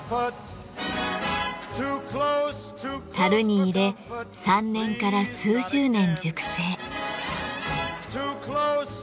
樽に入れ３年から数十年熟成。